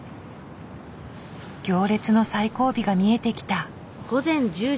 行列の最後尾が見えてきた。